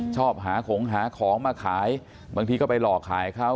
ชอบหาของหาของมาขายบางทีก็ไปหลอกขายเขา